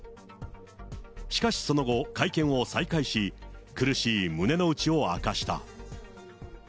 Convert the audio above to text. しかしその後、会見を再開し、苦しい胸の内を明かした。